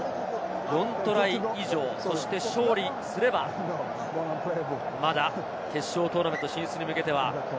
４トライ以上、そして勝利すればまだ決勝トーナメント進出に向けては。